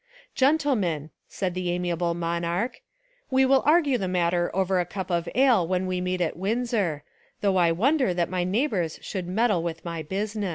"Gen tlemen," said the amiable monarch, "we will argue the matter over a cup of ale when we meet at Windsor, though I wonder that my neighbours should meddle with my business."